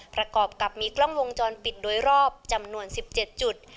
ประกอบกับมีกล้องวงจรปิดโดยรอบจำนวน๑๗จุด